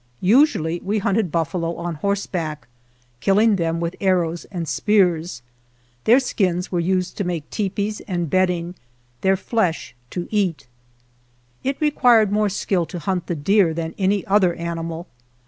Usually we hunted buffalo on horseback, killing them with arrows and spears. Their skins were used to make tepees and bedding ; their flesh, to eat. It required more skill to hunt the deer than any other animal.